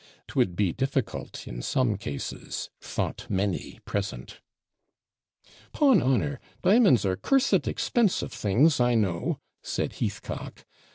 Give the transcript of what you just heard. "' ''Twould be difficult, in some cases,' thought many present. ''Pon honour, di'monds are cursed expensive things, I know!' said Heathcock.